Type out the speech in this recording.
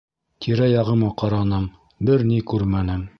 Тирә-яғыма ҡараным, бер ни күрмәнем.